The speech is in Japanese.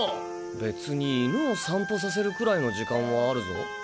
別に犬を散歩させるくらいの時間はあるぞ。